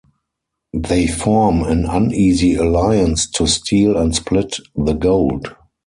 They form an uneasy alliance to steal and split the gold.